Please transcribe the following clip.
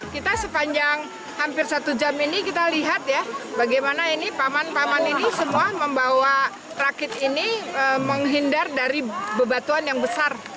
kita sepanjang hampir satu jam ini kita lihat ya bagaimana ini paman paman ini semua membawa rakit ini menghindar dari bebatuan yang besar